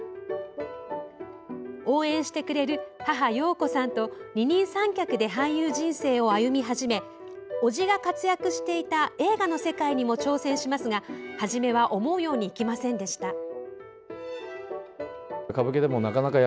応援してくれる母・陽子さんと二人三脚で俳優人生を歩み始め叔父が活躍していた映画の世界にも挑戦しますが初めは思うようにいきませんでした。